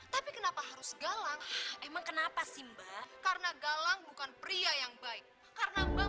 tapi kenapa harus galang emang kenapa sih mbak karena galang bukan pria yang baik karena mbak